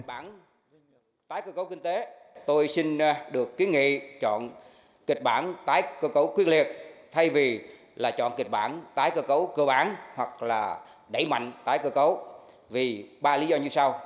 tái cơ cấu kinh tế tôi xin được kiến nghị chọn kịch bản tái cơ cấu quyết liệt thay vì là chọn kịch bản tái cơ cấu cơ bản hoặc là đẩy mạnh tái cơ cấu vì ba lý do như sau